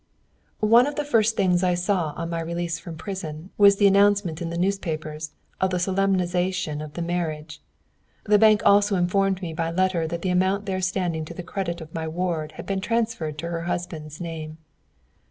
One of the first things I saw, on my release from prison, was the announcement in the newspapers of the solemnization of the marriage. The bank also informed me by letter that the amount there standing to the credit of my ward had been transferred to her husband's name.